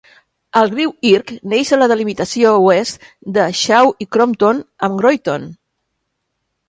El riu Irk neix a la delimitació oest de Shaw i Crompton amb Royton.